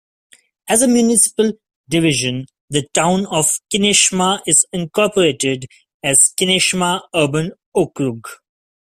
As a municipal division, the Town of Kineshma is incorporated as Kineshma Urban Okrug.